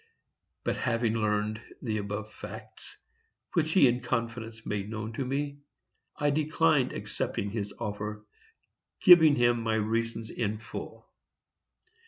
] But having learned the above facts, which he in confidence made known to me, I declined accepting his offer, giving him my reasons in full.